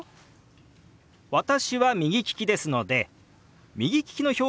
私は右利きですので右利きの表現で説明しますよ。